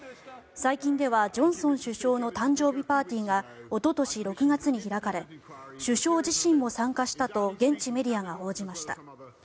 最近ではジョンソン首相の誕生日パーティーがおととし６月に開かれ首相自身も参加したと現地メディアが報じました。